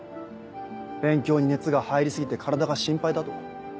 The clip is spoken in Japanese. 勉強に熱が入り過ぎて体が心配だと。